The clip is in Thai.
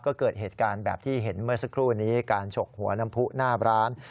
ก็เกิดเหตุการณ์แบบที่เห็นเมื่อสักครู่นี้การฉกหัวน้ำผู้หน้าร้าน